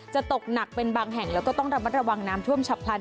ตกหนักเป็นบางแห่งแล้วก็ต้องระมัดระวังน้ำท่วมฉับพลัน